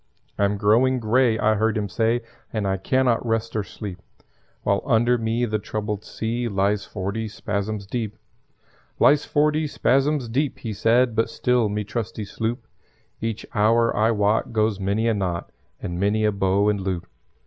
"I'm growing grey," I heard him say, "And I can not rest or sleep While under me the troubled sea Lies forty spasms deep. "Lies forty spasms deep," he said; "But still me trusty sloop Each hour, I wot, goes many a knot And many a bow and loop.